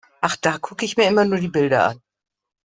Ach, da gucke ich mir immer nur die Bilder an.